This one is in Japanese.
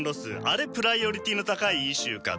あれプライオリティーの高いイシューかと。